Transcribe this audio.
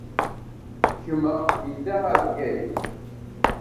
Gma yedda ɣer Bgayet.